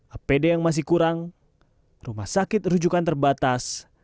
apd yang masih kurang rumah sakit rujukan terbatas